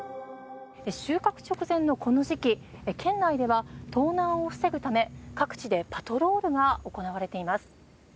収穫直前のこの時期県内では盗難を防ぐため各地でパトロールが行われています。